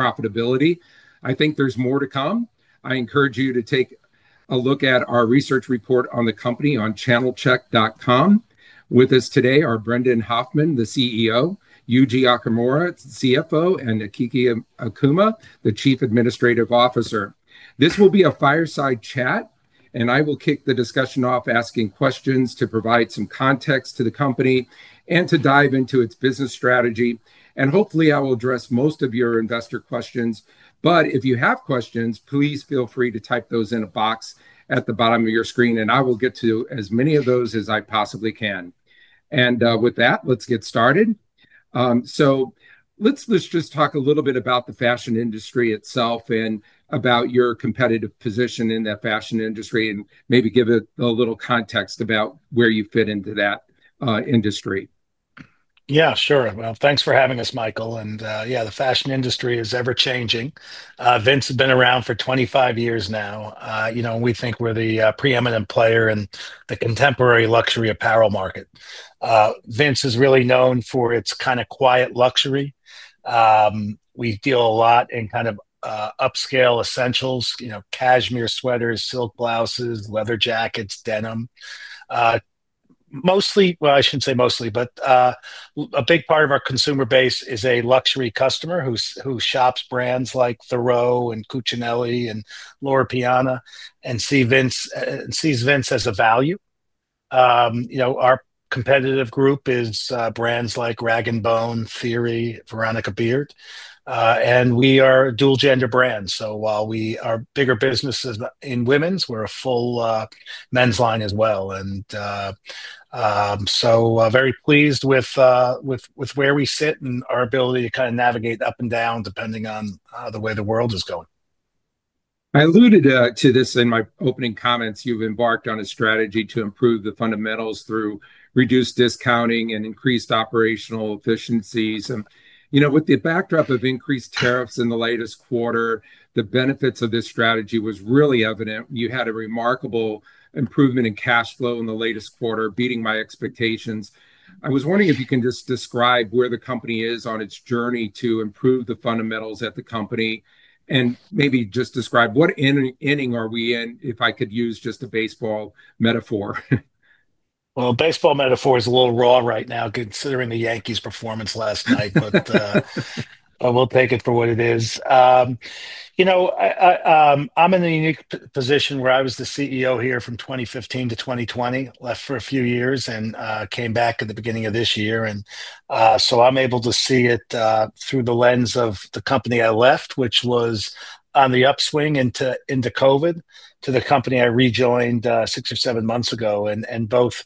Profitability. I think there's more to come. I encourage you to take a look at our research report on the company on channelcheck.com. With us today are Brendan Hoffman, the CEO, Yuji Okumura, CFO, and Akiko Okumura, the Chief Administrative Officer. This will be a fireside chat, and I will kick the discussion off asking questions to provide some context to the company and to dive into its business strategy. Hopefully, I will address most of your investor questions. If you have questions, please feel free to type those in a box at the bottom of your screen, and I will get to as many of those as I possibly can. With that, let's get started. Let's just talk a little bit about the fashion industry itself and about your competitive position in that fashion industry and maybe give a little context about where you fit into that industry. Yeah, sure. Thanks for having us, Michael. The fashion industry is ever-changing. Vince has been around for 25 years now, you know, and we think we're the preeminent player in the contemporary luxury apparel market. Vince is really known for its kind of quiet luxury. We deal a lot in kind of upscale essentials, you know, cashmere sweaters, silk blouses, leather jackets, denim. I shouldn't say mostly, but a big part of our consumer base is a luxury customer who shops brands like Theroux and Cucinelli and Loro Piana and sees Vince as a value. You know, our competitive group is brands like Rag & Bone, Theory, Veronica Beard. We are a dual-gender brand. While we are a bigger business in women's, we're a full men's line as well. Very pleased with where we sit and our ability to kind of navigate up and down depending on the way the world is going. I alluded to this in my opening comments. You've embarked on a strategy to improve the fundamentals through reduced discounting and increased operational efficiencies. With the backdrop of increased tariffs in the latest quarter, the benefits of this strategy were really evident. You had a remarkable improvement in cash flow in the latest quarter, beating my expectations. I was wondering if you can just describe where the company is on its journey to improve the fundamentals at the company and maybe just describe what inning are we in, if I could use just a baseball metaphor. Baseball metaphor is a little raw right now considering the Yankees' performance last night, but we'll take it for what it is. I'm in a unique position where I was the CEO here from 2015-2020, left for a few years, and came back at the beginning of this year. I'm able to see it through the lens of the company I left, which was on the upswing into COVID, to the company I rejoined six or seven months ago. Both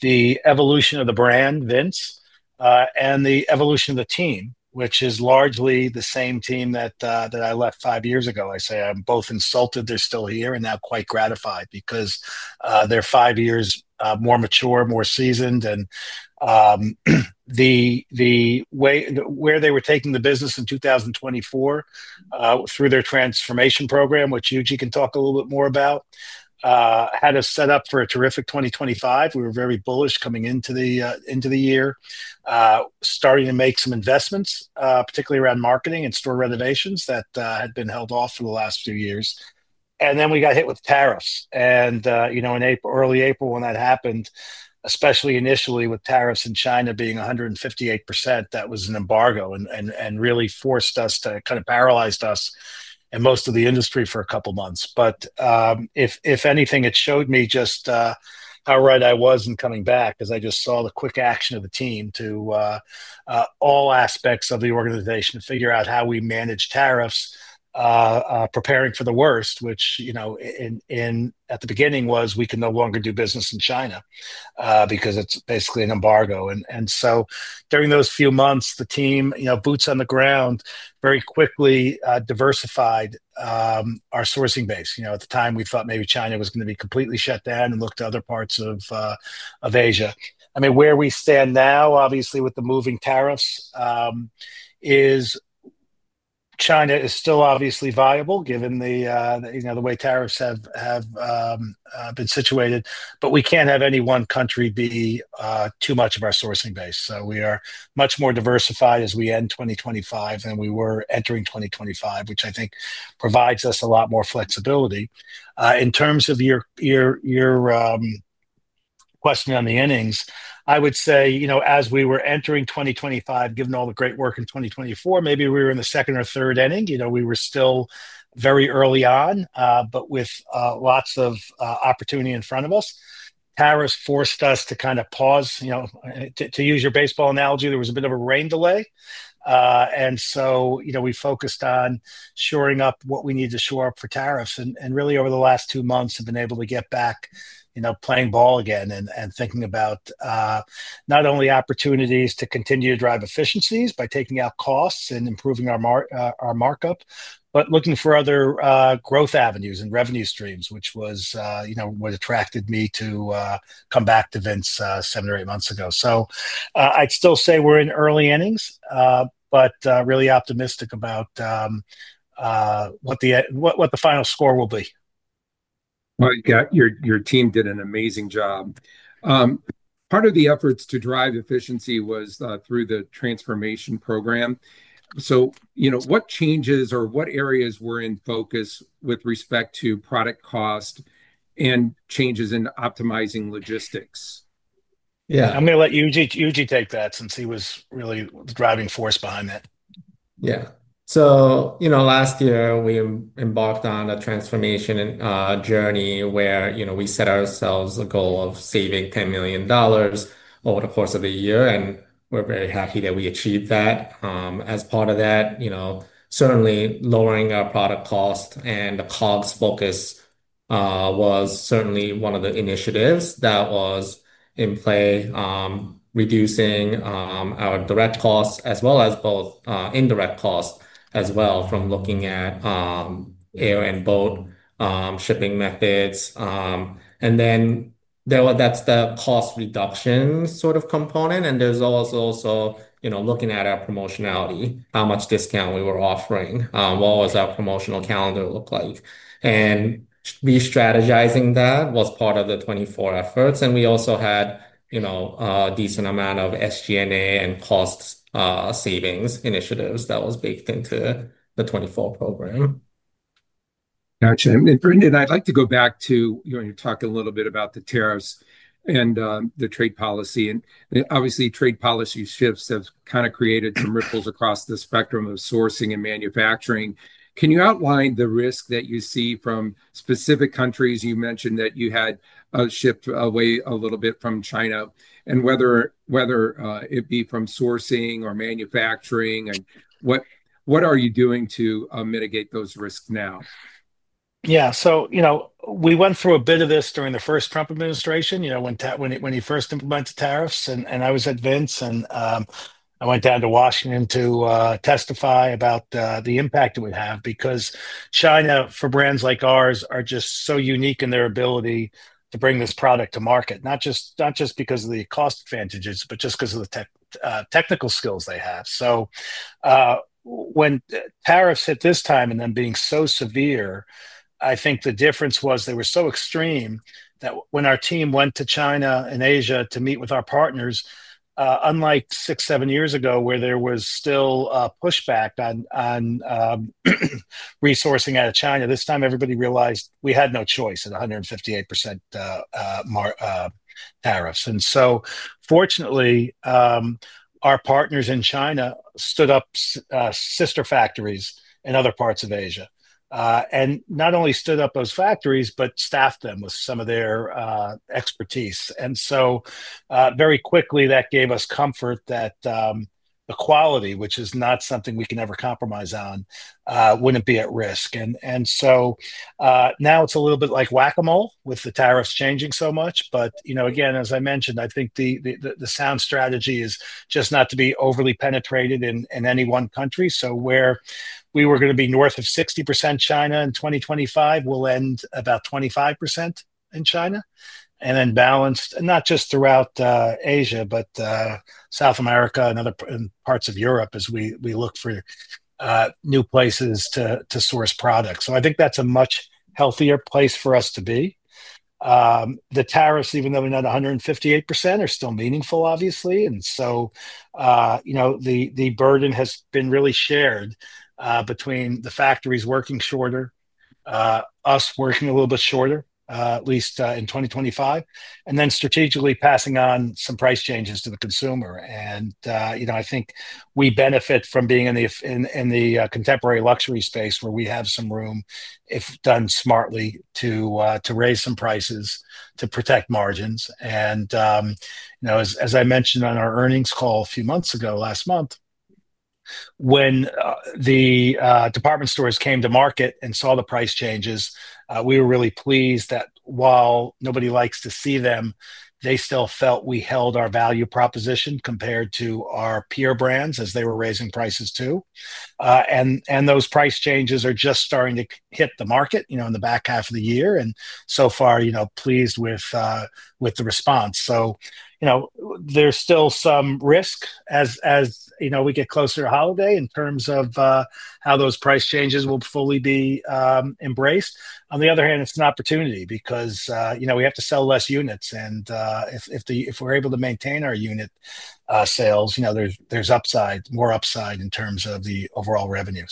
the evolution of the brand, Vince, and the evolution of the team, which is largely the same team that I left five years ago, I say I'm both insulted they're still here and now quite gratified because they're five years more mature, more seasoned. The way where they were taking the business in 2024 through their transformation program, which Yuji can talk a little bit more about, had us set up for a terrific 2025. We were very bullish coming into the year, starting to make some investments, particularly around marketing and store renovations that had been held off for the last few years. We got hit with tariffs. In early April when that happened, especially initially with tariffs in China being 158%, that was an embargo and really forced us to kind of paralyze us and most of the industry for a couple of months. If anything, it showed me just how right I was in coming back because I just saw the quick action of the team to all aspects of the organization to figure out how we manage tariffs, preparing for the worst, which at the beginning was we can no longer do business in China because it's basically an embargo. During those few months, the team, boots on the ground, very quickly diversified our sourcing base. At the time, we thought maybe China was going to be completely shut down and look to other parts of Asia. Where we stand now, obviously with the moving tariffs, is China is still obviously viable given the way tariffs have been situated. We can't have any one country be too much of our sourcing base. We are much more diversified as we end 2025 than we were entering 2025, which I think provides us a lot more flexibility. In terms of your question on the innings, I would say as we were entering 2025, given all the great work in 2024, maybe we were in the second or third inning. We were still very early on, but with lots of opportunity in front of us. Tariffs forced us to kind of pause. To use your baseball analogy, there was a bit of a rain delay. We focused on shoring up what we need to shore up for tariffs. Over the last two months, I've been able to get back, playing ball again and thinking about not only opportunities to continue to drive efficiencies by taking out costs and improving our markup, but looking for other growth avenues and revenue streams, which was what attracted me to come back to Vince seven or eight months ago. I'd still say we're in early innings, but really optimistic about what the final score will be. Your team did an amazing job. Part of the efforts to drive efficiency was through the transformation program. What changes or what areas were in focus with respect to product cost and changes in optimizing logistics? Yeah, I'm going to let Yuji take that since he was really the driving force behind that. Yeah. Last year we embarked on a transformation journey where we set ourselves a goal of saving $10 million over the course of the year, and we're very happy that we achieved that. As part of that, certainly lowering our product cost and the COGS focus was certainly one of the initiatives that was in play, reducing our direct costs as well as both indirect costs as well from looking at air and boat shipping methods. That's the cost reduction sort of component. There's also looking at our promotionality, how much discount we were offering, what was our promotional calendar look like. Restrategizing that was part of the 2024 efforts. We also had a decent amount of SG&A and cost savings initiatives that were baked into the 2024 program. Gotcha. Brendan, I'd like to go back to, you talked a little bit about the tariffs and the trade policy. Obviously, trade policy shifts have kind of created some ripples across the spectrum of sourcing and manufacturing. Can you outline the risk that you see from specific countries? You mentioned that you had a shift away a little bit from China, whether it be from sourcing or manufacturing, and what are you doing to mitigate those risks now? Yeah, so, you know, we went through a bit of this during the first Trump administration, you know, when he first implemented tariffs. I was at Vince and I went down to Washington to testify about the impact it would have because China, for brands like ours, are just so unique in their ability to bring this product to market, not just because of the cost advantages, but just because of the technical skills they have. When tariffs hit this time and them being so severe, I think the difference was they were so extreme that when our team went to China and Asia to meet with our partners, unlike six, seven years ago where there was still pushback on resourcing out of China, this time everybody realized we had no choice at 158% tariffs. Fortunately, our partners in China stood up sister factories in other parts of Asia. Not only stood up those factories, but staffed them with some of their expertise. Very quickly that gave us comfort that the quality, which is not something we can ever compromise on, wouldn't be at risk. Now it's a little bit like whack-a-mole with the tariffs changing so much. You know, again, as I mentioned, I think the sound strategy is just not to be overly penetrated in any one country. Where we were going to be north of 60% China in 2025, we'll end about 25% in China. Then balanced, not just throughout Asia, but South America and other parts of Europe as we look for new places to source products. I think that's a much healthier place for us to be. The tariffs, even though we're not 158%, are still meaningful, obviously. The burden has been really shared between the factories working shorter, us working a little bit shorter, at least in 2025, and then strategically passing on some price changes to the consumer. I think we benefit from being in the contemporary luxury space where we have some room, if done smartly, to raise some prices to protect margins. As I mentioned on our earnings call a few months ago, last month, when the department stores came to market and saw the price changes, we were really pleased that while nobody likes to see them, they still felt we held our value proposition compared to our peer brands as they were raising prices too. Those price changes are just starting to hit the market in the back half of the year. So far, pleased with the response. There is still some risk as we get closer to holiday in terms of how those price changes will fully be embraced. On the other hand, it's an opportunity because we have to sell less units, and if we're able to maintain our unit sales, there's more upside in terms of the overall revenue.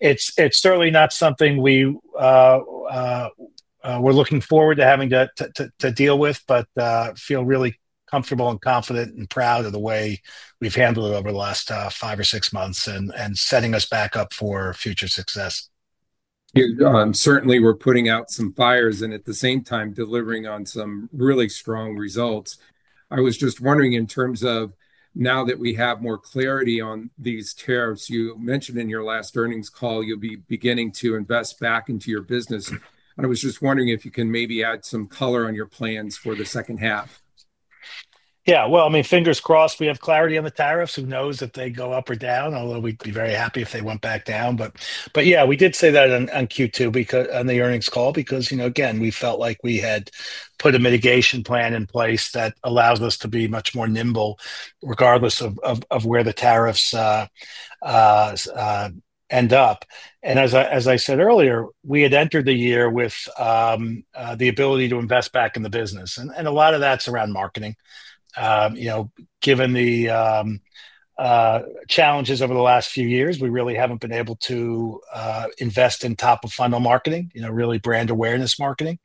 It's certainly not something we're looking forward to having to deal with, but feel really comfortable and confident and proud of the way we've handled it over the last five or six months and setting us back up for future success. Yeah, Brendan, certainly we're putting out some fires and at the same time delivering on some really strong results. I was just wondering in terms of now that we have more clarity on these tariffs, you mentioned in your last earnings call you'll be beginning to invest back into your business. I was just wondering if you can maybe add some color on your plans for the second half. Yeah, fingers crossed, we have clarity on the tariffs. Who knows if they go up or down, although we'd be very happy if they went back down. We did say that on Q2 on the earnings call because, you know, again, we felt like we had put a mitigation plan in place that allows us to be much more nimble regardless of where the tariffs end up. As I said earlier, we had entered the year with the ability to invest back in the business. A lot of that's around marketing. Given the challenges over the last few years, we really haven't been able to invest in top-of-funnel marketing, really brand awareness marketing.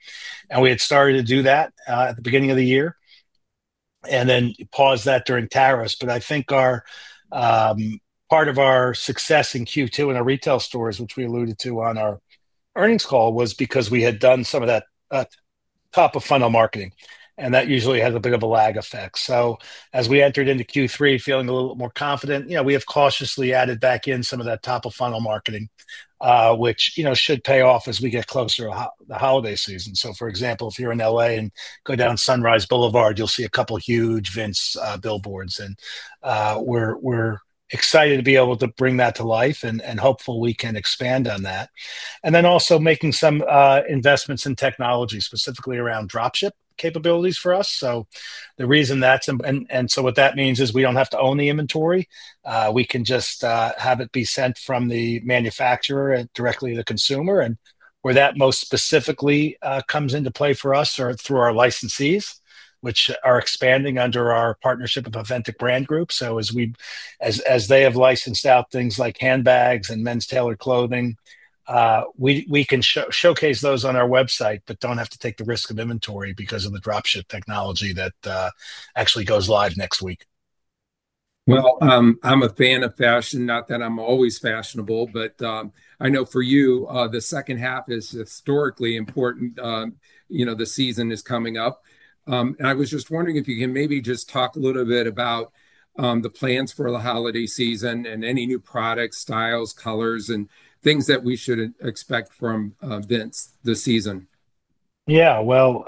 We had started to do that at the beginning of the year and then paused that during tariffs. I think part of our success in Q2 in our retail stores, which we alluded to on our earnings call, was because we had done some of that top-of-funnel marketing. That usually has a bit of a lag effect. As we entered into Q3, feeling a little more confident, we have cautiously added back in some of that top-of-funnel marketing, which should pay off as we get closer to the holiday season. For example, if you're in LA and go down Sunrise Boulevard, you'll see a couple of huge Vince billboards. We're excited to be able to bring that to life and hopeful we can expand on that. We're also making some investments in technology, specifically around dropship capabilities for us. The reason that's, and so what that means is we don't have to own the inventory. We can just have it be sent from the manufacturer directly to the consumer. Where that most specifically comes into play for us are through our licensees, which are expanding under our partnership with Authentic Brands Group. As they have licensed out things like handbags and men's tailored clothing, we can showcase those on our website, but don't have to take the risk of inventory because of the dropship technology that actually goes live next week. I'm a fan of fashion, not that I'm always fashionable, but I know for you, the second half is historically important. You know, the season is coming up. I was just wondering if you can maybe just talk a little bit about the plans for the holiday season and any new products, styles, colors, and things that we should expect from Vince this season. Yeah,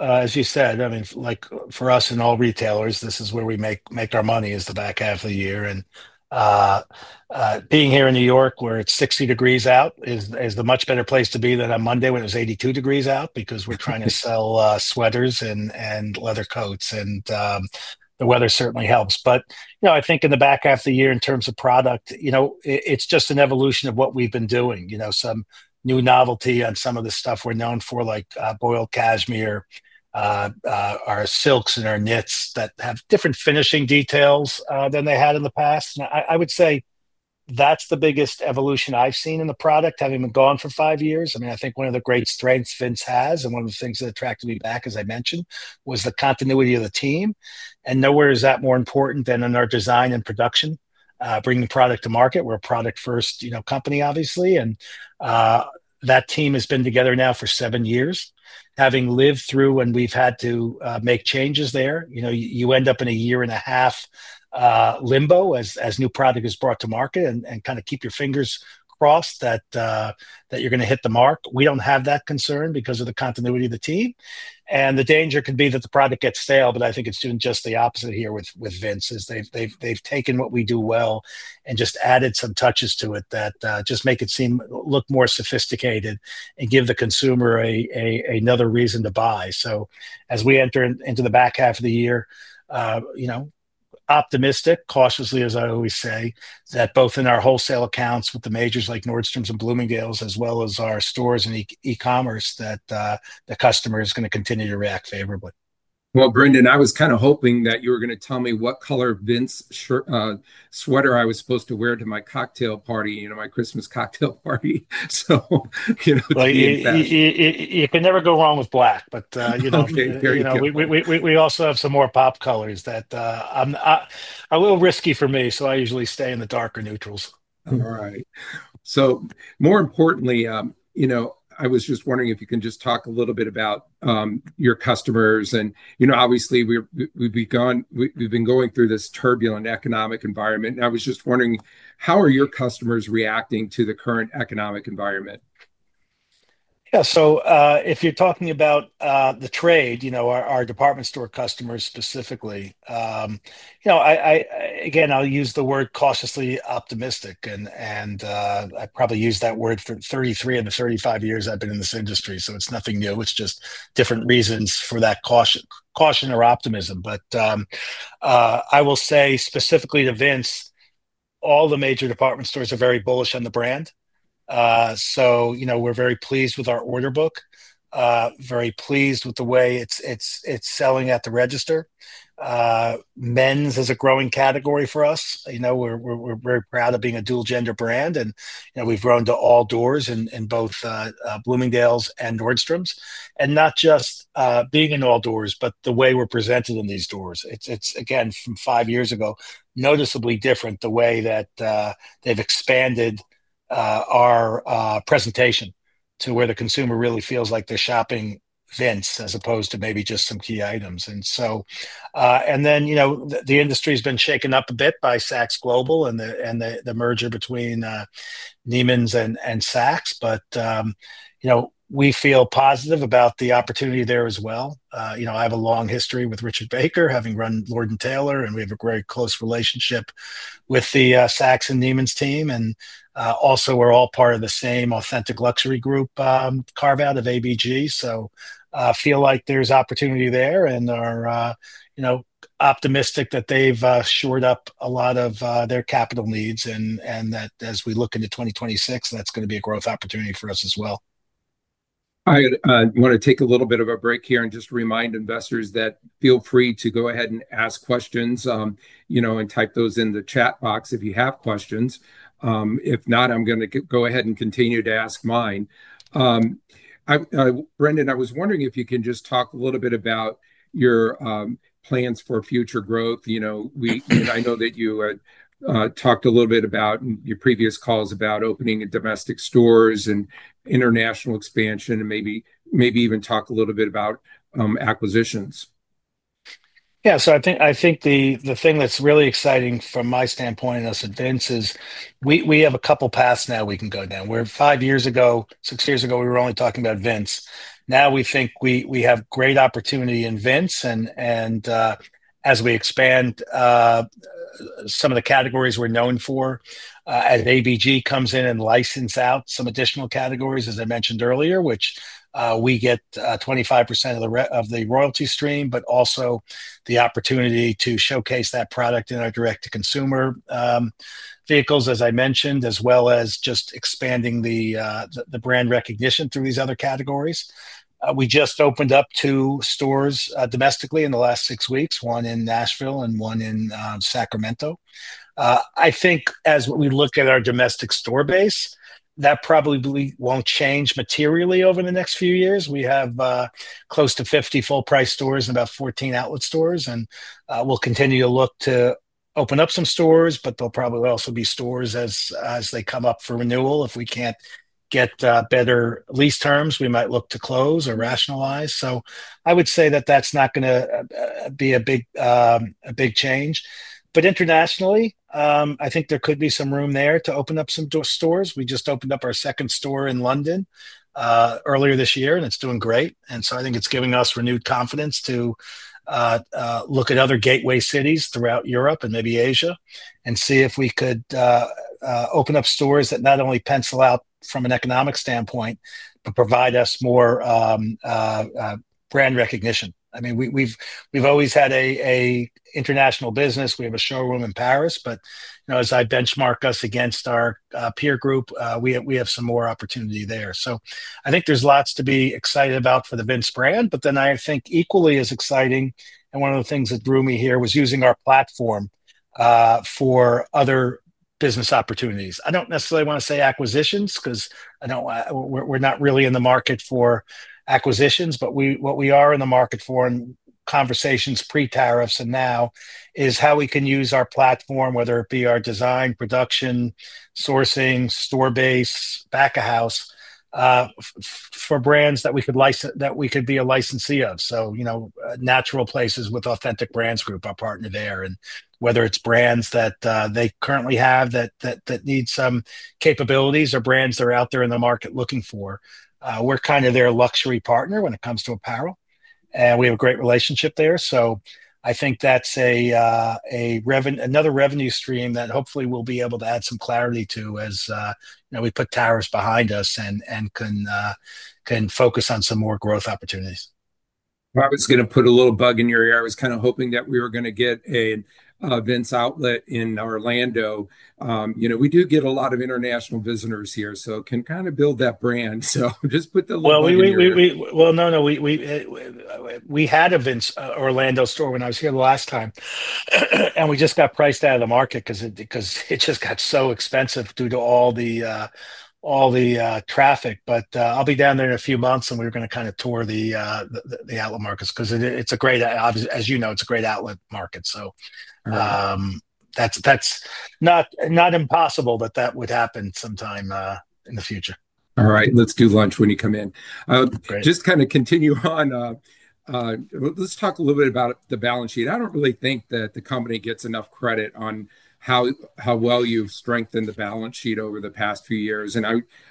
as you said, I mean, like for us and all retailers, this is where we make our money is the back half of the year. Being here in New York where it's 60 degrees out is a much better place to be than on Monday when it was 82 degrees out because we're trying to sell sweaters and leather coats. The weather certainly helps. In the back half of the year in terms of product, it's just an evolution of what we've been doing. Some new novelty on some of the stuff we're known for, like boiled cashmere, our silks, and our knits that have different finishing details than they had in the past. I would say that's the biggest evolution I've seen in the product having been gone for five years. I think one of the great strengths Vince has and one of the things that attracted me back, as I mentioned, was the continuity of the team. Nowhere is that more important than in our design and production, bringing product to market. We're a product-first company, obviously. That team has been together now for seven years, having lived through when we've had to make changes there. You end up in a year and a half limbo as new product is brought to market and kind of keep your fingers crossed that you're going to hit the mark. We don't have that concern because of the continuity of the team. The danger could be that the product gets stale. I think it's doing just the opposite here with Vince, as they've taken what we do well and just added some touches to it that just make it seem look more sophisticated and give the consumer another reason to buy. As we enter into the back half of the year, optimistic, cautiously, as I always say, that both in our wholesale accounts with the majors like Nordstrom and Bloomingdale's, as well as our stores and e-commerce, that the customer is going to continue to react favorably. Brendan, I was kind of hoping that you were going to tell me what color Vince's sweater I was supposed to wear to my cocktail party, you know, my Christmas cocktail party. You know. You can never go wrong with black, but you know, we also have some more pop colors that are a little risky for me, so I usually stay in the darker neutrals. All right. More importantly, I was just wondering if you can just talk a little bit about your customers. Obviously, we've been going through this turbulent economic environment. I was just wondering, how are your customers reacting to the current economic environment? Yeah, so if you're talking about the trade, our department store customers specifically, I'll use the word cautiously optimistic. I probably use that word for 33 of the 35 years I've been in this industry. It's nothing new. It's just different reasons for that caution or optimism. I will say specifically to Vince, all the major department stores are very bullish on the brand. We're very pleased with our order book, very pleased with the way it's selling at the register. Men's is a growing category for us. We're very proud of being a dual-gender brand. We've grown to all doors in both Bloomingdale's and Nordstrom. Not just being in all doors, but the way we're presented in these doors. It's, from five years ago, noticeably different the way that they've expanded our presentation to where the consumer really feels like they're shopping Vince as opposed to maybe just some key items. The industry's been shaken up a bit by Saks Global and the merger between Neiman's and Saks. We feel positive about the opportunity there as well. I have a long history with Richard Baker, having run Lord & Taylor, and we have a very close relationship with the Saks and Neiman's team. We're all part of the same Authentic Brands Group carve-out of ABG. I feel like there's opportunity there and are optimistic that they've shored up a lot of their capital needs and that as we look into 2026, that's going to be a growth opportunity for us as well. I want to take a little bit of a break here and just remind investors that feel free to go ahead and ask questions, you know, and type those in the chat box if you have questions. If not, I'm going to go ahead and continue to ask mine. Brendan, I was wondering if you can just talk a little bit about your plans for future growth. You know, I know that you had talked a little bit about your previous calls about opening domestic stores and international expansion and maybe even talk a little bit about acquisitions. Yeah, so I think the thing that's really exciting from my standpoint is that Vince is we have a couple of paths now we can go down. Where five years ago, six years ago, we were only talking about Vince. Now we think we have great opportunity in Vince. As we expand some of the categories we're known for, as Authentic Brands Group comes in and licenses out some additional categories, as I mentioned earlier, which we get 25% of the royalty stream, but also the opportunity to showcase that product in our direct-to-consumer vehicles, as I mentioned, as well as just expanding the brand recognition through these other categories. We just opened up two stores domestically in the last six weeks, one in Nashville and one in Sacramento. I think as we look at our domestic store base, that probably won't change materially over the next few years. We have close to 50 full-price stores and about 14 outlet stores. We'll continue to look to open up some stores, but there will probably also be stores as they come up for renewal. If we can't get better lease terms, we might look to close or rationalize. I would say that that's not going to be a big change. Internationally, I think there could be some room there to open up some more stores. We just opened up our second store in London earlier this year, and it's doing great. I think it's giving us renewed confidence to look at other gateway cities throughout Europe and maybe Asia and see if we could open up stores that not only pencil out from an economic standpoint, but provide us more brand recognition. We've always had an international business. We have a showroom in Paris, but as I benchmark us against our peer group, we have some more opportunity there. I think there's lots to be excited about for the Vince brand, but then I think equally as exciting, and one of the things that drew me here was using our platform for other business opportunities. I don't necessarily want to say acquisitions because we're not really in the market for acquisitions, but what we are in the market for in conversations pre-tariffs and now is how we can use our platform, whether it be our design, production, sourcing, store base, back of house, for brands that we could be a licensee of. Natural places with Authentic Brands Group, our partner there, and whether it's brands that they currently have that need some capabilities or brands that are out there in the market looking for. We're kind of their luxury partner when it comes to apparel, and we have a great relationship there. I think that's another revenue stream that hopefully we'll be able to add some clarity to as we put tariffs behind us and can focus on some more growth opportunities. I was going to put a little bug in your ear. I was kind of hoping that we were going to get a Vince outlet in Orlando. You know, we do get a lot of international visitors here, so can kind of build that brand. Just put the little bug in your ear. We had a Vince Orlando store when I was here the last time, and we just got priced out of the market because it just got so expensive due to all the traffic. I'll be down there in a few months, and we're going to kind of tour the outlet markets because it's a great, as you know, it's a great outlet market. That's not impossible, but that would happen sometime in the future. All right, let's do lunch when you come in. Just kind of continue on. Let's talk a little bit about the balance sheet. I don't really think that the company gets enough credit on how well you've strengthened the balance sheet over the past few years.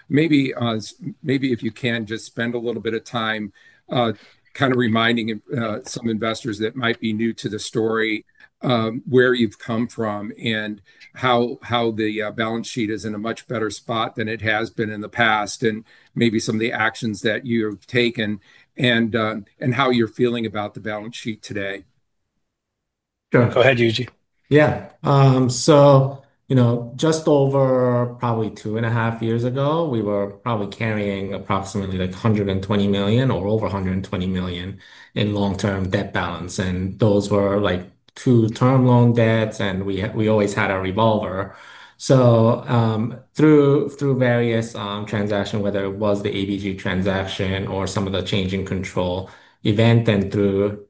Maybe if you can just spend a little bit of time kind of reminding some investors that might be new to the story where you've come from and how the balance sheet is in a much better spot than it has been in the past, and maybe some of the actions that you have taken and how you're feeling about the balance sheet today. Go ahead, Yuji. Yeah, just over probably two and a half years ago, we were probably carrying approximately $120 million or over $120 million in long-term debt balance. Those were two term loan debts, and we always had a revolver. Through various transactions, whether it was the Authentic Brands Group transaction or some of the change in control event, and through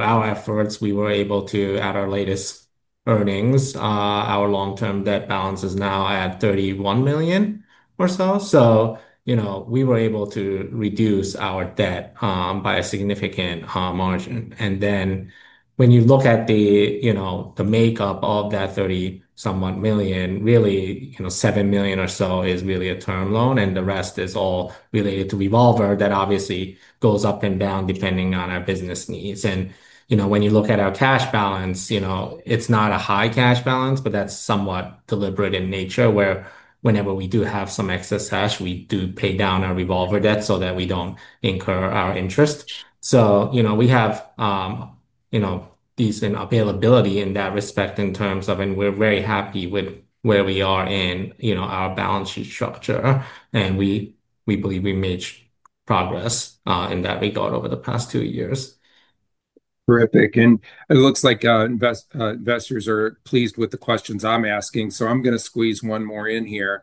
our efforts, at our latest earnings, our long-term debt balance is now at $31 million or so. We were able to reduce our debt by a significant margin. When you look at the makeup of that $31 million, really $7 million or so is a term loan, and the rest is all related to revolver that obviously goes up and down depending on our business needs. When you look at our cash balance, it's not a high cash balance, but that's somewhat deliberate in nature where whenever we do have some excess cash, we do pay down our revolver debt so that we don't incur our interest. We have decent availability in that respect, and we're very happy with where we are in our balance sheet structure. We believe we made progress in that regard over the past two years. Terrific. It looks like investors are pleased with the questions I'm asking. I'm going to squeeze one more in here.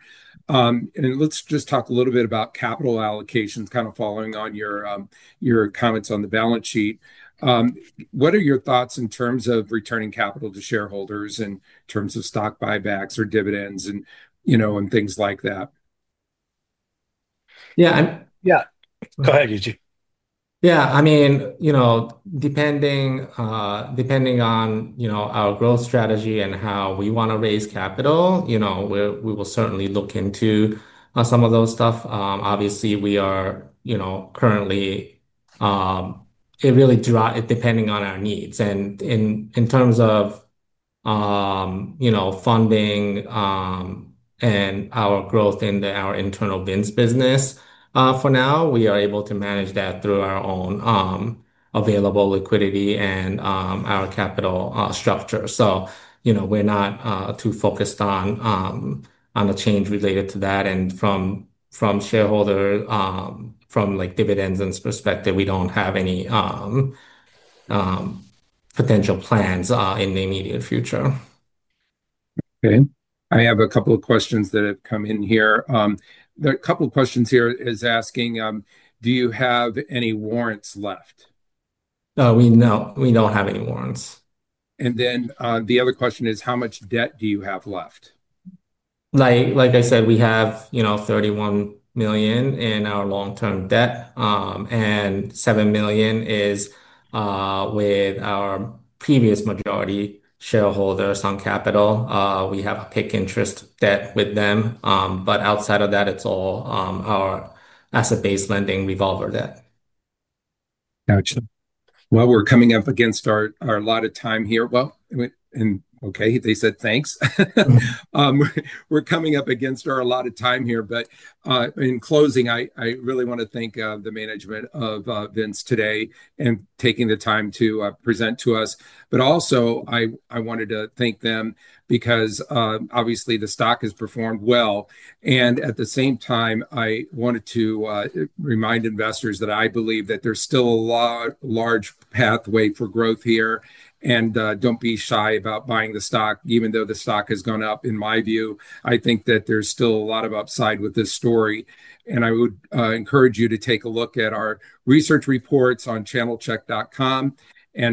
Let's just talk a little bit about capital allocation, kind of following on your comments on the balance sheet. What are your thoughts in terms of returning capital to shareholders in terms of stock buybacks or dividends and, you know, things like that? Yeah, go ahead, Yuji. Yeah, I mean, depending on our growth strategy and how we want to raise capital, we will certainly look into some of those stuff. Obviously, we are currently, it really drives depending on our needs. In terms of funding and our growth in our internal Vince business, for now, we are able to manage that through our own available liquidity and our capital structure. We're not too focused on the change related to that. From shareholders, from like dividends and perspective, we don't have any potential plans in the immediate future. Okay. I have a couple of questions that have come in here. A couple of questions here are asking, do you have any warrants left? No, we don't have any outstanding warrants. The other question is, how much debt do you have left? Like I said, we have, you know, $31 million in our long-term debt. $7 million is with our previous majority shareholders on capital. We have a PIK interest debt with them. Outside of that, it's all our asset-based lending revolver debt. We're coming up against our allotted time here. In closing, I really want to thank the management of Vince today and taking the time to present to us. I also wanted to thank them because obviously the stock has performed well. At the same time, I wanted to remind investors that I believe that there's still a large pathway for growth here. Don't be shy about buying the stock, even though the stock has gone up. In my view, I think that there's still a lot of upside with this story. I would encourage you to take a look at our research reports on channelcheck.com.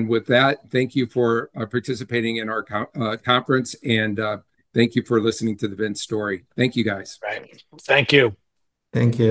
With that, thank you for participating in our conference, and thank you for listening to the Vince story. Thank you, guys. Thank you. Thank you.